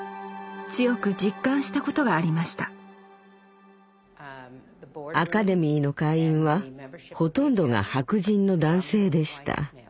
強く実感したことがありましたアカデミーの会員はほとんどが白人の男性でした。